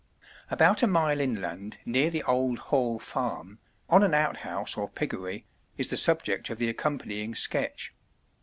] About a mile inland, near the Old Hall Farm, on an outhouse or piggery, is the subject of the accompanying sketch.